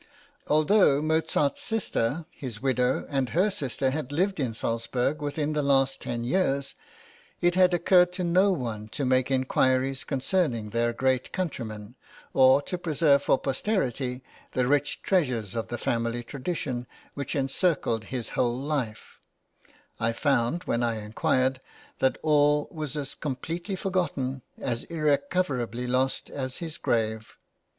Although Mozart's sister, his widow, and her sister had lived in Salzburg within the last ten years, it had occurred to no one to make inquiries concerning their great countryman, or to preserve to posterity the rich treasures of family tradition which encircled his whole life; I found, when I inquired, that all was as completely forgotten, as irrecoverably lost as his grave.